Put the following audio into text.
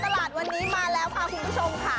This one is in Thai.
ตลาดวันนี้มาแล้วค่ะคุณผู้ชมค่ะ